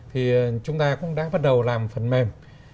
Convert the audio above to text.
thì chúng ta cũng đã bắt đầu làm phần mềm